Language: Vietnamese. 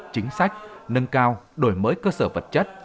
chính sách nâng cao đổi mới cơ sở vật chất